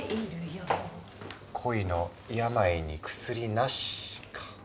恋の病に薬なしか。